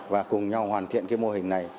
và cùng nhau hoàn thiện cái mô hình này